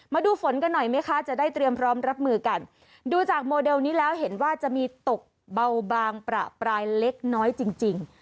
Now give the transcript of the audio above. มาดูฝนกันหน่อยไหมคะจะได้เตรียมพร้อมรับมือกันดูจากโมเดลนี้แล้วเห็นว่าจะมีตกเบาบางประปรายเล็กน้อยจริงจริง